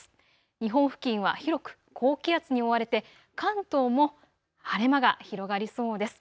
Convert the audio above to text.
日本付近は広く高気圧に覆われて関東も晴れ間が広がりそうです。